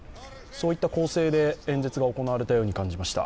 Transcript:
そういった構成で演説が行われたように感じました。